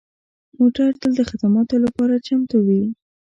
موټر تل د خدماتو لپاره چمتو وي.